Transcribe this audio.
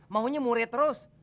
maunya murah terus